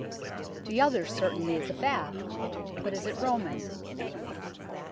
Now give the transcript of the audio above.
The other certainly is a bath, but is it Roman